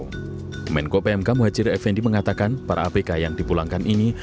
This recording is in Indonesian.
kemenko pmk muhajir effendi mengatakan para abk yang dipulangkan ini